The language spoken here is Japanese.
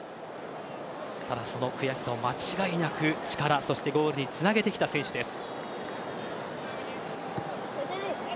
ただその悔しさを間違いなく力、そしてゴールにつなげてきた選手です。